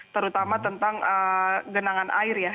terutama tentang genangan air ya